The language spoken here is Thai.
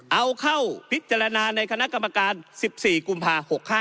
เอาเข้าพิจารณาในคณะกรรมการ๑๔กุมภา๖๕